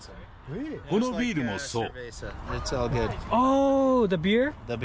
このビールもそう。